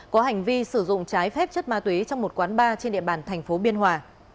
có hành vi sử dụng trái phép chất ma túy trong một quán bar trên địa bàn thành phố biên hòa